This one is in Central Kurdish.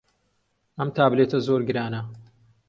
ئەم تابلێتە زۆر گرانە.